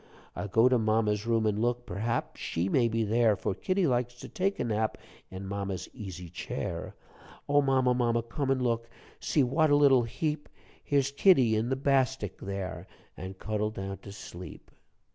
"I'll go to mamma's room an' look; Perhaps she may be there; For kittie likes to take a nap In mamma's easy chair. "O mamma, mamma, come an' look? See what a little heap! Here's kittie in the bastik here, All cuddled down to sleep."